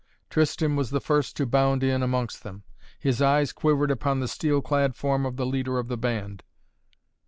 Tristan was the first to bound in amongst them. His eyes quivered upon the steel clad form of the leader of the band.